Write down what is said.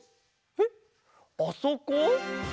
へっ？あそこ？